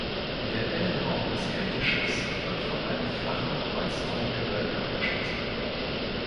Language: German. Der Innenraum des Kirchenschiffs wird von einem flachen Holztonnengewölbe abgeschlossen.